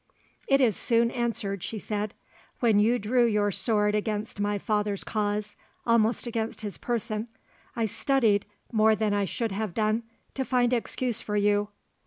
"It is soon answered," she said. "When you drew your sword against my father's cause—almost against his person—I studied, more than I should have done, to find excuse for you.